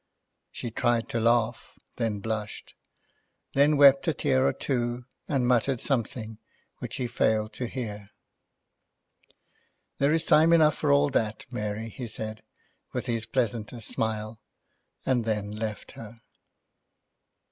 She tried to laugh, then blushed; then wept a tear or two, and muttered something which he failed to hear. "There is time enough for all that, Mary," he said, with his pleasantest smile, and then left her.